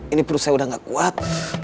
ini perut saya udah gak kuat